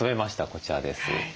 こちらです。